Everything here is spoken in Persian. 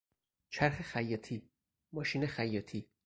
چرخ خیاطی، ماشین خیاطی